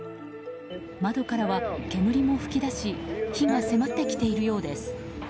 窓からは煙も噴き出し火が迫ってきているようです。